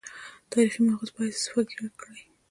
تاریخي مأخذ په حیث استفاده کړې.